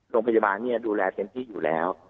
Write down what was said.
โรงพยาบาลดูแลเต็มที่อยู่แล้ว